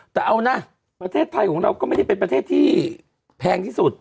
แต่เอานะประเทศไทยของเราก็ไม่ได้เป็นประเทศที่แพงที่สุด